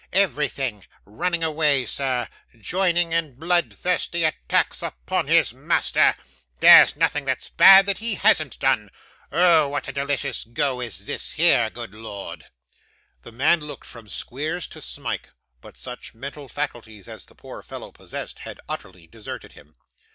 'Everything running away, sir joining in bloodthirsty attacks upon his master there's nothing that's bad that he hasn't done. Oh, what a delicious go is this here, good Lord!' The man looked from Squeers to Smike; but such mental faculties as the poor fellow possessed, had utterly deserted him.